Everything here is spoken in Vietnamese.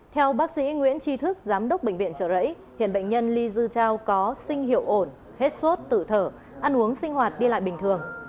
theo bác sĩ nguyễn tri thức giám đốc bệnh viện trợ rẫy hiện bệnh nhân ly dư trao có sinh hiệu ổn hết sốt tự thở ăn uống sinh hoạt đi lại bình thường